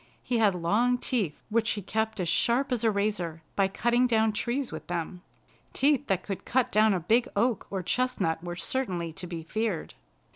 He had long teeth, which he kept as sharp as a razor by cutting down trees with them. Teeth that could cut down a big oak or chestnut were certainly to be feared.